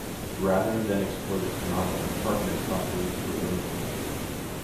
Rather than explore this phenomenon, Hartmann sought ways to eliminate it.